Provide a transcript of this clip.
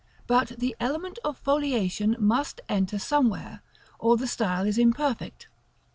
But the element of foliation must enter somewhere, or the style is imperfect.